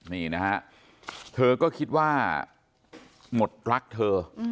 นี่นะฮะเธอก็คิดว่าหมดรักเธอ